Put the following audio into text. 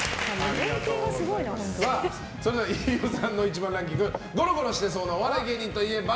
飯尾さんの一番ランキングゴロゴロしてそうなお笑い芸人といえば？